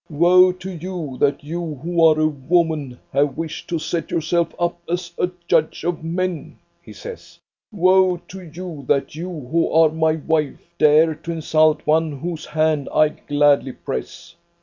"Woe to you, that you, who are a woman, have wished to set yourself up as a judge of men," he says. " Woe to you, that you, who are my wife, dare to insult one whose hand I gladly press.